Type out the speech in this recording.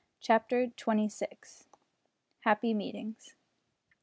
CHAPTER TWENTY SIX. HAPPY MEETINGS.